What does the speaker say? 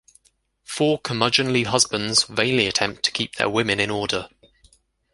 Four curmudgeonly husbands vainly attempt to keep their women in order.